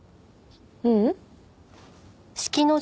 ううん。